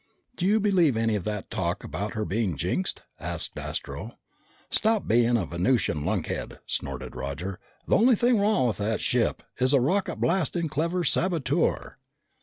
"Do you believe any of that talk about her being jinxed?" asked Astro. "Stop being a Venusian lunkhead!" snorted Roger. "The only thing wrong with that ship is a rocket blasting clever saboteur."